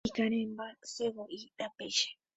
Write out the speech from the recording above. Ikarẽmba sevo'i rapéicha.